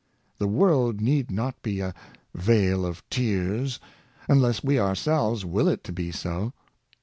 The world need not be a "vale of tears," unless we ourselves will it to be so.